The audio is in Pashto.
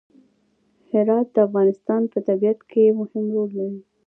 هرات د افغانستان په طبیعت کې مهم رول لري.